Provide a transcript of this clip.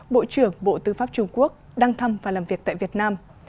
bộ trưởng bộ tư pháp trung quốc đăng thăm và làm việc tại việt nam